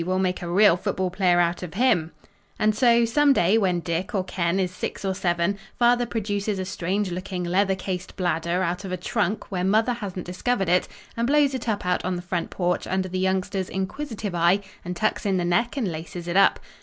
We'll make a real football player out of him!" And so, some day when Dick or Ken is six or seven, Father produces a strange looking, leather cased bladder out of a trunk where Mother hasn't discovered it and blows it up out on the front porch under the youngster's inquisitive eye and tucks in the neck and laces it up.